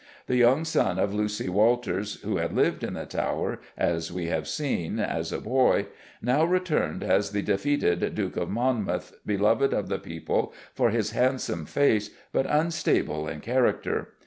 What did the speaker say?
The young son of Lucy Walters, who had lived in the Tower, as we have seen, as a boy, now returned as the defeated Duke of Monmouth, beloved of the people for his handsome face, but unstable in character.